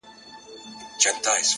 • په کهاله کي د مارانو شور ماشور سي,